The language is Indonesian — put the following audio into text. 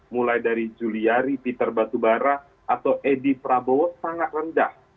mulai dari juliari peter batubara atau edi prabowo sangat rendah